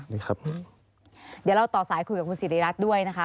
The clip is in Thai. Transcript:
เดี๋ยวเราต่อสายคุยกับคุณสิริรัตน์ด้วยนะคะ